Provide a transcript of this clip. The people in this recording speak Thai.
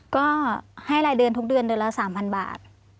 ก็ให้รายเดือนทุกเดือนเดือนละ๓๐๐บาท